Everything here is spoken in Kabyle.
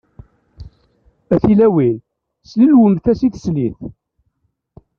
A tilawin, slilwemt-as i teslit!